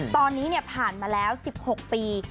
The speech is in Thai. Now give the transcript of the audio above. ตอนนี้ผ่านมาแล้ว๑๖ปี